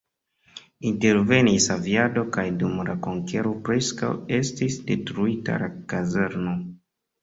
Intervenis aviado kaj dum la konkero preskaŭ estis detruita la kazerno.